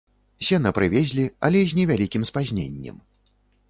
Сена прывезлі, але з невялікім спазненнем.